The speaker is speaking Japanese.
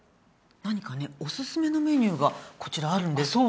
何かねおすすめのメニューがこちらあるんですって。